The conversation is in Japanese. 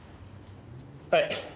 はい。